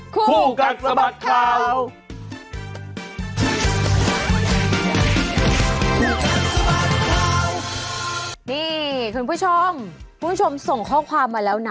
คู่กันสมัครคราว